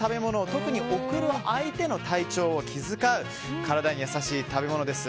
特に相手の体調を気遣う体に優しい食べ物です。